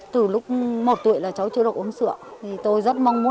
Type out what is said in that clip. từ lúc một tuổi là cháu chưa được uống sữa